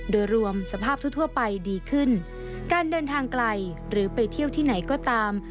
โดยรวมสภาพทั่วทั่วไปดีขึ้นการเดินทางไกลหรือไปเที่ยวที่ไหนก็ตาม